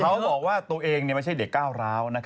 เขาบอกว่าตัวเองไม่ใช่เด็กก้าวร้าว